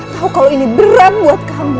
tahu kalau ini berat buat kamu